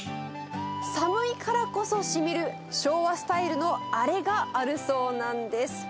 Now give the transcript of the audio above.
寒いからこそしみる、昭和スタイルのあれがあるそうなんです。